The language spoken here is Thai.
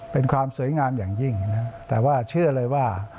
เป็นความสวยงามอย่างยิ่งนะครับแต่ว่าเชื่อเลยว่า